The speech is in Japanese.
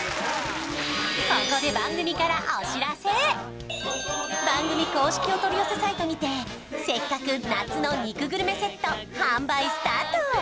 ここで番組公式お取り寄せサイトにてせっかく夏の肉グルメセット販売スタート